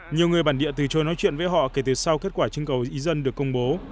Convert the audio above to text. nhiều người bản địa từ chối nói chuyện với họ kể từ sau kết quả chương cầu eid được công bố